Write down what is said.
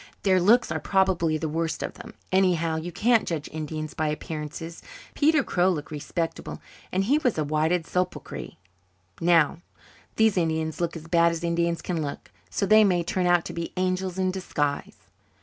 Their looks are probably the worst of them. Anyhow, you can't judge Indians by appearances. Peter Crow looked respectable and he was a whited sepulchre. Now, these Indians look as bad as Indians can look so they may turn out to be angels in disguise."